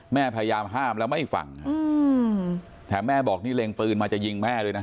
พยายามห้ามแล้วไม่ฟังแต่แม่บอกนี่เล็งปืนมาจะยิงแม่ด้วยนะ